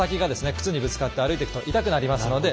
靴にぶつかって歩いていくと痛くなりますので大体１ｃｍ程度ですね